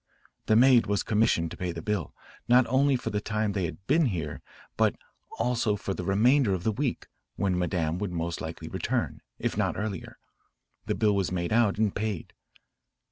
The maid was commissioned to pay the bill, not only for the time they had been here, but also for the remainder of the week, when Madame would most likely return, if not earlier. The bill was made out and paid.